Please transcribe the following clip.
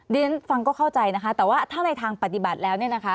ดิฉันฟังก็เข้าใจนะคะแต่ว่าถ้าในทางปฏิบัติแล้ว